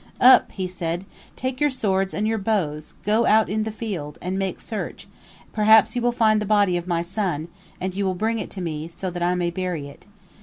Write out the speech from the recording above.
"Up," he said, "take your swords and your bows, go out in the field, and make search, perhaps you will find the body of my son, and you will bring it to me, so that I may bury it.